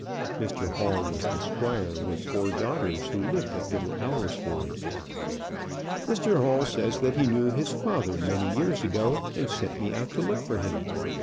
(Mr Hall was the squire with four daughters who lived at Little Alresford.) "Mr Hall says that he knew his father many years ago, and sent me out to look for him.